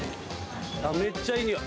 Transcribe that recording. めっちゃいい匂い。